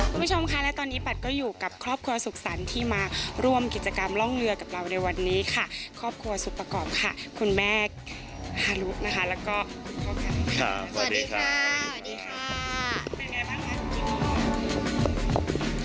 คุณผู้ชมค่ะและตอนนี้ปัดก็อยู่กับครอบครัวสุขสรรค์ที่มาร่วมกิจกรรมร่องเรือกับเราในวันนี้ค่ะครอบครัวสุขประกอบค่ะคุณแม่ฮารุนะคะแล้วก็คุณพ่อค่ะสวัสดีค่ะสวัสดีค่ะเป็นไงบ้างคะ